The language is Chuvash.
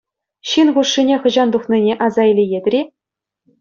Ҫын хушшине хӑҫан тухнине аса илеетӗр-и?